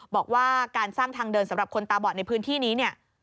บอกว่าการสร้างทางเดินสำหรับคนตาบอดในพื้นที่นี้เนี่ย